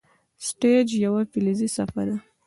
سټیج یوه فلزي صفحه ده.